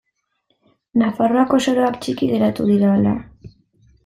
Nafarroako soroak txiki geratu dira ala?